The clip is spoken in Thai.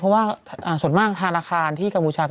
เพราะว่าส่วนมากธนาคารที่กัมพูชา